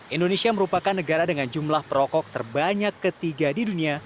indonesia merupakan negara dengan jumlah perokok terbanyak ketiga di dunia